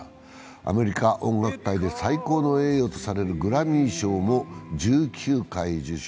アメリカ音楽界で最高の栄誉とされるグラミー賞も１９回受賞。